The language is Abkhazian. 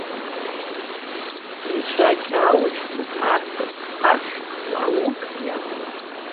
Ижакьа аужьны, арԥыс фархьк, аукы иакәын.